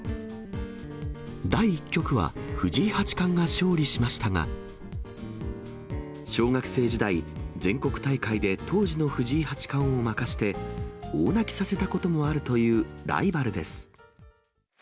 第１局は藤井八冠が勝利しましたが、小学生時代、全国大会で当時の藤井八冠を負かして、大泣きさせたこともあるというライバルです。